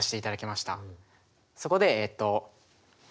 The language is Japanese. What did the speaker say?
そこでえっと。